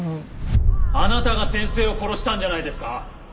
あなたが先生を殺したんじゃないですか？